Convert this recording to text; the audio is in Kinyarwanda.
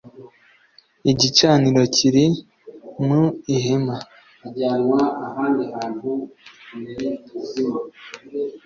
Igicaniro kiri mu ihema.